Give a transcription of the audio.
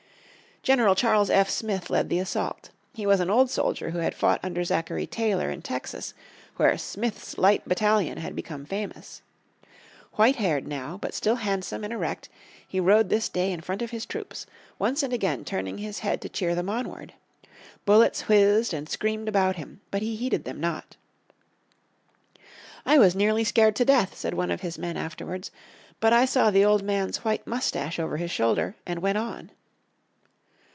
General Charles F. Smith led the assault. He was an old soldier who had fought under Zachary Taylor in Texas where "Smith's light battalion" had become famous. White haired now, but still handsome and erect, he rode this day in front of his troops, once and again turning his head to cheer them onward. Bullets whizzed and screamed about him, but he heeded them not. "I was nearly scared to death," said one of his men afterwards, "but I saw the old man's white moustache over his shoulder, and went on."